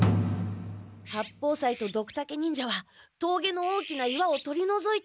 八方斎とドクタケ忍者はとうげの大きな岩を取りのぞいて。